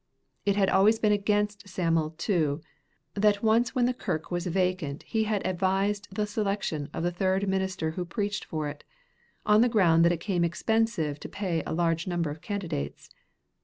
It had always been against Sam'l, too, that once when the kirk was vacant he had advised the selection of the third minister who preached for it, on the ground that it came expensive to pay a large number of candidates.